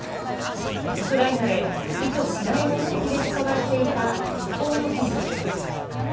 ウクライナで意図しない目的で使われていた日本の技術。